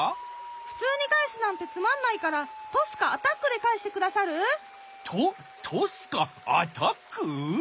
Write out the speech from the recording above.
ふつうにかえすなんてつまんないからトスかアタックでかえしてくださる？とトスかアタック？